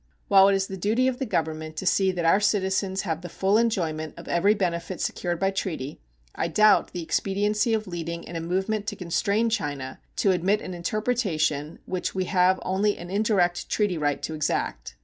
While it is the duty of the Government to see that our citizens have the full enjoyment of every benefit secured by treaty, I doubt the expediency of leading in a movement to constrain China to admit an interpretation which we have only an indirect treaty right to exact.